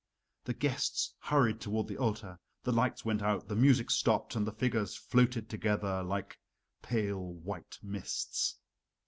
The guests hurried toward the altar, the lights went out, the music stopped, and the figures floated together like pale white mists.